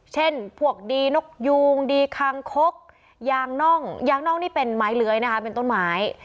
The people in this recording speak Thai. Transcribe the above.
เช่นพวกดีนกยูงดีคางคกยางน่องยางน่องนี่เป็นไม้เลื้อยนะคะเป็นต้นไม้